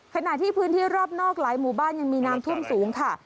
ขณะที่พื้นที่รอบนอกหลายหมู่บ้านยังมีน้ำท่วมสูงค่ะ